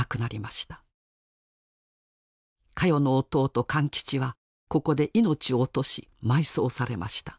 カヨの弟・勘吉はここで命を落とし埋葬されました。